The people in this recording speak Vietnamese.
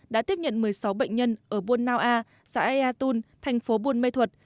đã tiếp nhận một mươi sáu bệnh nhân ở bôn nao a xã aeatun tp bôn ma thuật